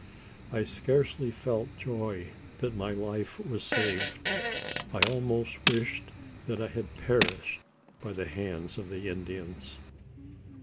I scarcely felt joy that my life was saved; I almost wished that I had perished by the hands of the Indians!